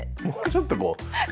もうちょっとこう。